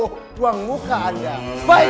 ketua ketua ketua jatuh mata usaha saya